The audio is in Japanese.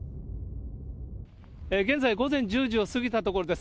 現在午前１０時を過ぎた所です。